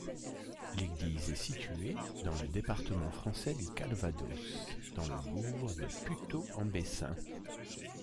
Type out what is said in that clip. L'église est située dans le département français du Calvados, dans le bourg de Putot-en-Bessin.